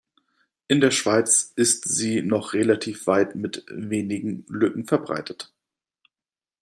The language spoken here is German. In der Schweiz ist sie noch relativ weit mit wenigen Lücken verbreitet.